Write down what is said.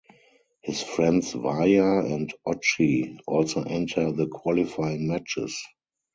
His friends Waya and Ochi also enter the qualifying matches.